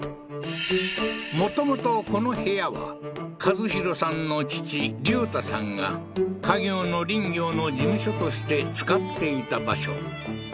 もともとこの部屋は和宏さんの父隆太さんが家業の林業の事務所として使っていた場所